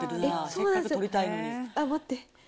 せっかく取りたいのに待って。